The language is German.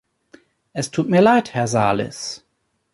Es tut mir leid, Herr Sarlis.